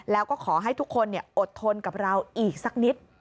แล้วก็ขอให้ทุกคนอดทนกับเราอีกสักนิด